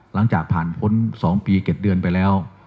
หลังจากผ่านพ้น๒ปี๗เดือนไปแล้ว